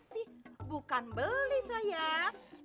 kasih bukan beli sayang